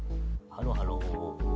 ハロハロー。